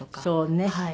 そうね。